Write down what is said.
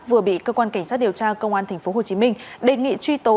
vừa bị cơ quan cảnh sát điều tra công an tp hcm đề nghị truy tố